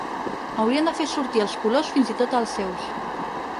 Haurien de fer sortir els colors fins i tot als seus.